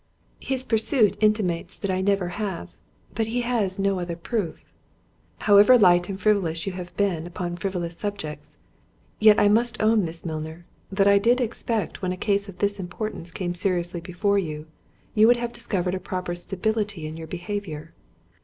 "His pursuit intimates that I never have, but he has no other proof." "However light and frivolous you have been upon frivolous subjects, yet I must own, Miss Milner, that I did expect when a case of this importance came seriously before you, you would have discovered a proper stability in your behaviour."